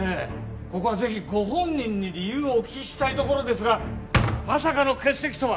ここは是非ご本人に理由をお聞きしたいところですがまさかの欠席とは！